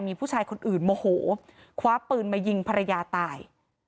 มีผู้ชายคนอื่นโมโหคว้าปืนมายิงภรรยาตาย